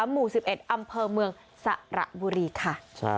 หมู่๑๑อำเภอเมืองสระบุรีค่ะ